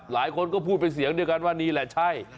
หลายคนก็พูดเป็นเสียงเดียวกันว่านี่แหละใช่